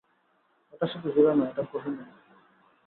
এটা শুধু হীরা নয়, এটা কোহিনূর!